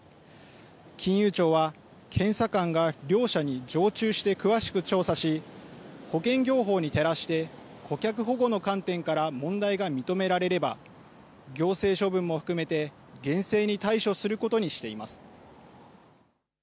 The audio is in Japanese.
金融庁は検査官が両社に常駐して詳しく調査し保険業法に照らして顧客保護の観点から問題が認められれば行政処分も含めて厳正に対処することにしています。